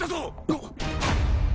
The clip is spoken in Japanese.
あっ！